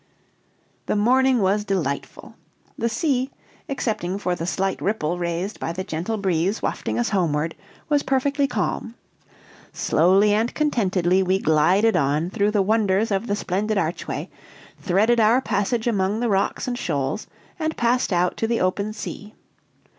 The morning was delightful. The sea, excepting for the slight ripple raised by the gentle breeze wafting us homeward, was perfectly calm. Slowly and contentedly we glided on through the wonders of the splendid archway, threaded our passage among the rocks and shoals, and passed out to the open sea.